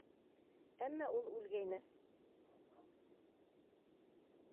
Әммә ул үлгәйне.